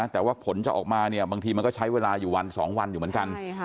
แต่ว่าผลจะออกมาเนี่ยบางทีมันก็ใช้เวลาอยู่วัน๒วันอยู่เหมือนกัน